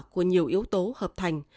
của nhiều yếu tố hợp tháng